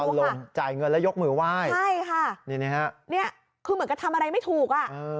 ตอนลงจ่ายเงินแล้วยกมือไหว้ใช่ค่ะนี่คือเหมือนกันทำอะไรไม่ถูก